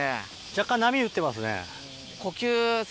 若干波打ってますね。